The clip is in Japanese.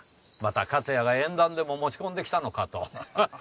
また勝谷が縁談でも持ち込んできたのかと。